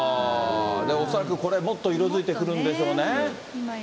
恐らくこれ、もっと色づいてくるんでしょうね。